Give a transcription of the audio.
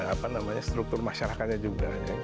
apa namanya struktur masyarakatnya juga